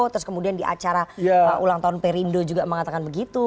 terus kemudian di acara ulang tahun perindo juga mengatakan begitu